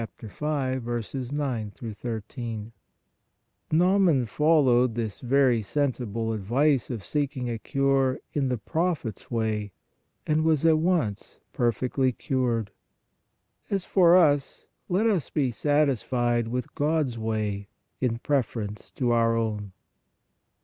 9 13). Naaman followed this very sensible ad vice of seeking a cure in the prophet s way, and was at once perfectly cured. As for us, let us be satis fied with God s way in preference to our own.